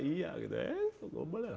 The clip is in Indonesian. iya gitu eh kok boleh